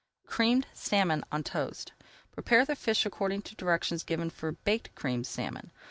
CREAMED SALMON ON TOAST Prepare the fish according to directions given for Baked Creamed Salmon.